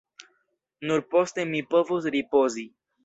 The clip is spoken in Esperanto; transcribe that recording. Nur poste mi povos ripozi.